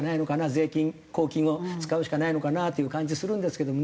税金公金を使うしかないのかなっていう感じするんですけどもね。